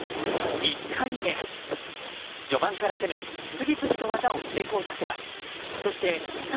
１回目、序盤から攻め次々と技を成功させます。